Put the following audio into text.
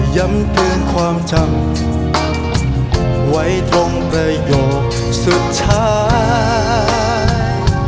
ย้ำเตือนความจำไว้ตรงประโยคสุดท้าย